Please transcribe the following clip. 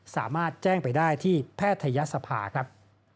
สามารถแจ้งไปได้ที่แพทยศภาครับ